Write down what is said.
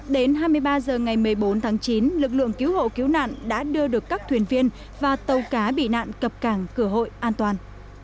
đến hai mươi ba h ngày một mươi bốn tháng chín lực lượng cứu hộ cứu nạn đã đưa được các thuyền viên và tàu cá bị nạn cập cảng cửa hội an toàn